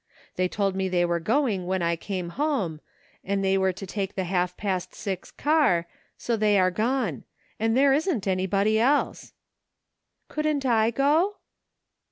They told me they were going when I came home, and they were to take the half past six car, so they are gone ; and there isn't anybody else." "Couldn't I go?"